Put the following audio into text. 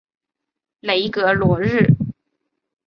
雷格罗日。